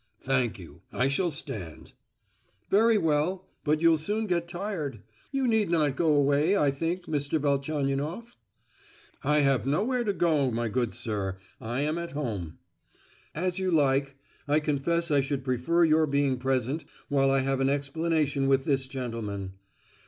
"Thank you; I shall stand." "Very well, but you'll soon get tired. You need not go away, I think, Mr. Velchaninoff." "I have nowhere to go to, my good sir, I am at home." "As you like; I confess I should prefer your being present while I have an explanation with this gentleman.